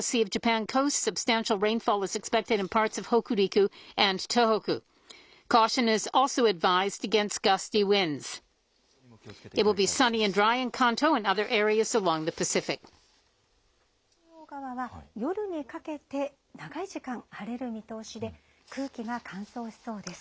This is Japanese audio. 一方で、関東など太平洋側は、夜にかけて長い時間、晴れる見通しで、空気が乾燥しそうです。